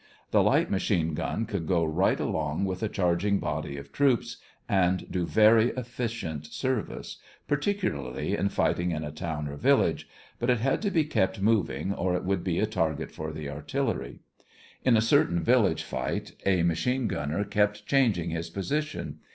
The light machine gun could go right along with a charging body of troops and do very efficient service, particularly in fighting in a town or village, but it had to be kept moving or it would be a target for the artillery. In a certain village fight a machine gunner kept changing his position.